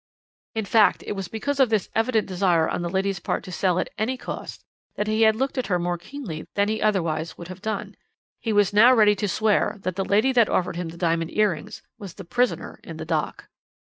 "In fact it was because of this evident desire on the lady's part to sell at any cost that he had looked at her more keenly than he otherwise would have done. He was now ready to swear that the lady that offered him the diamond earrings was the prisoner in the dock.